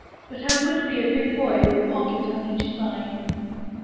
But I would be a big boy, With a pocket on each side.